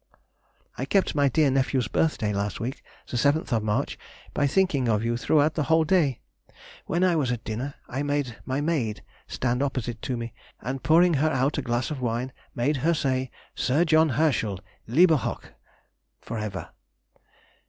I kept my dear nephew's birthday last week, the 7th of March, by thinking of you throughout the whole day. When I was at dinner, I made my maid stand opposite to me, and pouring her out a glass of wine, made her say, Sir John Herschel, lebe hoch! (for ever).